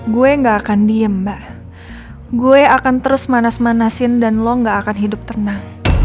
gue gak akan diem mbak gue akan terus manas manasin dan lo gak akan hidup tenang